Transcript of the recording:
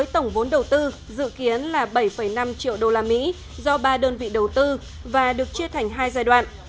tổng vốn đầu tư dự kiến là bảy năm triệu usd do ba đơn vị đầu tư và được chia thành hai giai đoạn